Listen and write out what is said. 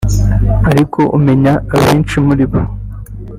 Ariko umenya abenshi muribo